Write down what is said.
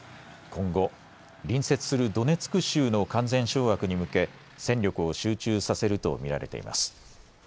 今後、隣接するドネツク州の完全掌握に向け戦力を集中させると見られています。